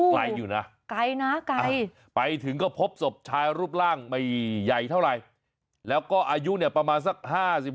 ไกลอยู่นะไกลนะไกลไปถึงก็พบศพชายรูปร่างไม่ใหญ่เท่าไหร่แล้วก็อายุเนี่ยประมาณสัก๕๖